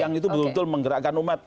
yang itu beruntung menggerakkan umat